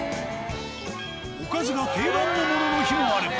おかずが定番のものの日もあれば。